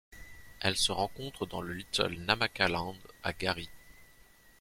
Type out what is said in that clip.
Elle se rencontre dans le Little Namaqualand à Garies.